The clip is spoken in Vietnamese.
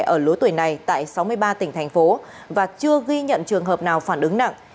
ở lứa tuổi này tại sáu mươi ba tỉnh thành phố và chưa ghi nhận trường hợp nào phản ứng nặng